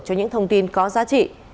cho những thông tin có giá trị